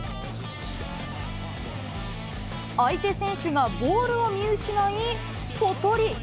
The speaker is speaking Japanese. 相手選手がボールを見失い、ぽとり。